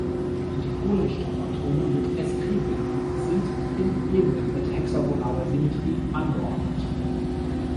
Die Kohlenstoffatome mit sp-Bindung sind in Ebenen mit hexagonaler Symmetrie angeordnet.